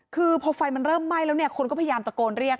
คือพอไฟมันเริ่มไหม้แล้วเนี่ยคนก็พยายามตะโกนเรียก